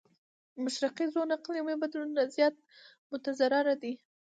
مشرقي زون اقليمي بدلون نه زيات متضرره دی.